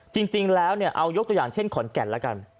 จริงแล้วเอายกตัวอย่างเช่นขอนแก่นแล้วกัน